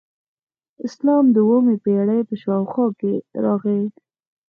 اسلام د اوومې پیړۍ په شاوخوا کې راغی